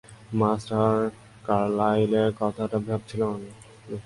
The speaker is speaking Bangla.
মিস্টার কার্লাইলের কথাটা ভাবছিলাম আমি।